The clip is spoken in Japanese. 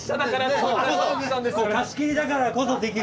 そうそう貸し切りだからこそできる。